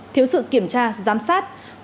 thiếu sự kiểm tra giám sát thiếu sự kiểm tra giám sát